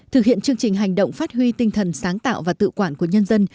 thực hiện chương trình hành động phát huy tinh thần sáng tạo và tự quản của nhân dân